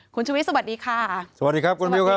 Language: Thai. คุณชุวิตสวัสดีค่ะสวัสดีครับคุณมิวครับ